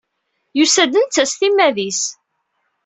Yusa-d netta s timmad-nnes.